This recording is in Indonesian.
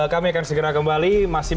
kami akan segera kembali